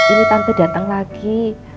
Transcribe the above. ini tante datang lagi